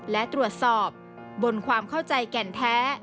และตรวจสอบบนความเข้าใจแก่นแท้